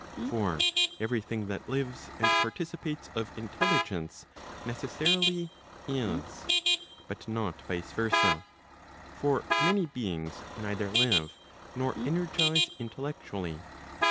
For every thing that lives and participates of intelligence necessarily is; but not vice versa. For many beings neither live, nor energize intellectually.